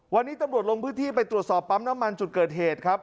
วันนี้ตำรวจลงพื้นที่ไปตรวจสอบปั๊มน้ำมันจุดเกิดเหตุครับ